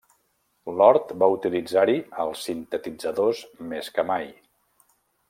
Lord va utilitzar-hi els sintetitzadors més que mai.